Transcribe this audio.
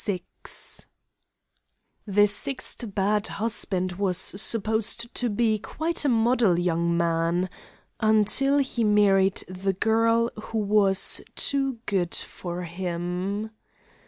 VI The sixth bad husband was supposed to be quite a model young man until he married the girl who was too good for him.